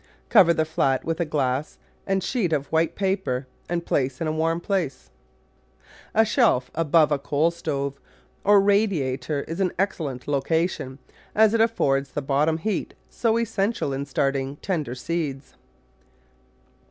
Cover the flat with a glass and sheet of white paper and place in a warm place — a shelf above a coal stove or radiator is an ex cellent location, as it affords the bottom heat so es sential in starting tender seeds.